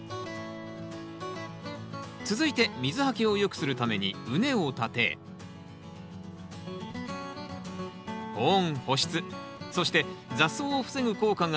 続いて水はけをよくするために畝を立て保温・保湿そして雑草を防ぐ効果がある黒マルチを張ります。